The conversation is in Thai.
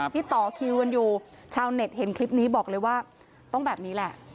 ต่อคิวกันอยู่ชาวเน็ตเห็นคลิปนี้บอกเลยว่าต้องแบบนี้แหละ